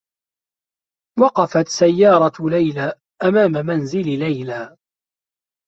توقّفت سيّارة ليلى أمام منزل ليلى.